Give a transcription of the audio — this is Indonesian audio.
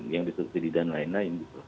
yang disertiri dan lain lain